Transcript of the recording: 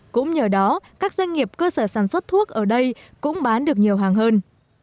cũng nhờ đó các doanh nghiệp cơ sở sản xuất thuốc ở đây cũng bán được nhiều hàng hơn